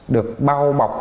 được bao bọc